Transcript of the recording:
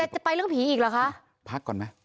จะไปเรื่องผีอีกเหรอคะ